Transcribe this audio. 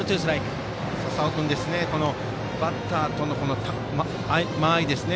笹尾君はバッターとの間合いですね。